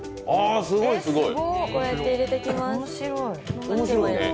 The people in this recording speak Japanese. こうやって入れていきます。